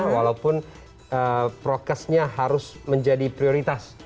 walaupun prokesnya harus menjadi prioritas